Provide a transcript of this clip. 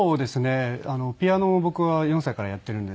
ピアノを僕は４歳からやっているんですけど